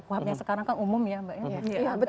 kuhap yang sekarang kan umum ya mbak uli